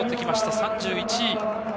３１位。